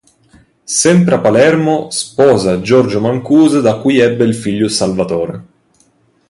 Sempre a Palermo sposa Giorgio Mancuso da cui ebbe il figlio Salvatore.